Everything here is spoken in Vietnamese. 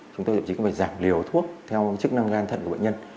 chúng ta cũng chỉ có phải giảm liều thuốc theo chức năng gan thận của bệnh nhân